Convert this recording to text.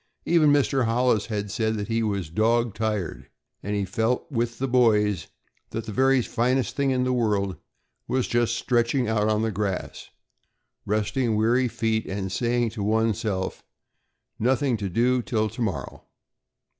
Even Mr. Hollis had said that he was "dog tired," and he felt with the boys that the very finest thing in the world was just stretching out on the grass, resting weary feet, and saying to one's self: "Nothing to do till tomorrow."